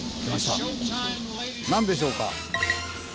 何でしょうか？